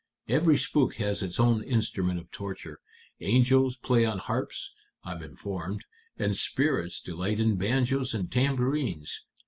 Every spook has its own instrument of torture. Angels play on harps, I'm informed, and spirits delight in banjos and tambourines.